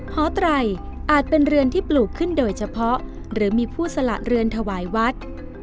หอไตรอาจเป็นเรือนที่ปลูกขึ้นโดยเฉพาะหรือมีผู้สละเรือนถวายวัด